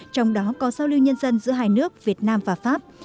trong đó có giao lưu nhân dân giữa hai nước việt nam và pháp